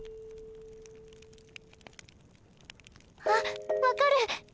あっ分かる。